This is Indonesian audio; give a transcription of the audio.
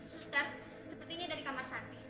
susterdora sepertinya ada orang lain